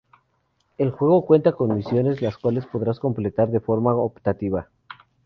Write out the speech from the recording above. El juego cuenta con misiones las cuales podrás completar de forma optativa.